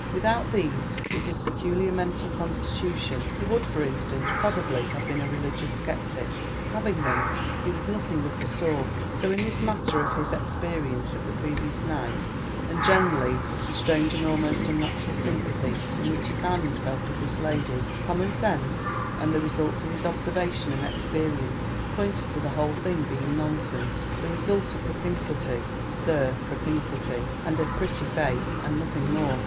Without these, with his peculiar mental constitution, he would, for instance, probably have been a religious sceptic; having them, he was nothing of the sort. So in this matter of his experience of the previous night, and generally of the strange and almost unnatural sympathy in which he found himself with this lady, common sense and the results of his observation and experience pointed to the whole thing being nonsense—the result of "propinquity, Sir, propinquity," and a pretty face—and nothing more.